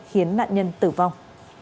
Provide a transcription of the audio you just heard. khiến nạn nhân tử vong